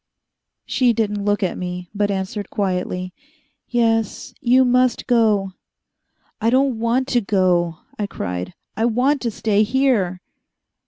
She didn't look at me, but answered quietly, "Yes, you must go." "I don't want to go," I cried, "I want to stay here!"